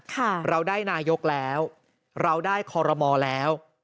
เราได้นายกแล้วเราได้คอรมอแล้ว